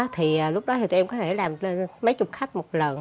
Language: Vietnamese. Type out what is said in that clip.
thì lúc đó thì tụi em có thể làm mấy chục khách một lần